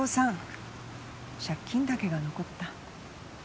借金だけが残った。